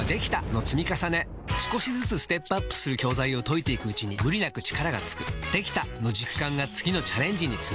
少しずつステップアップする教材を解いていくうちに無理なく力がつく「できた！」の実感が次のチャレンジにつながるよし！